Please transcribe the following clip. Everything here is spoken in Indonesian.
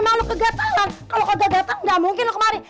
emang lu kegatelan kalo kagak gatel gak mungkin lu kemari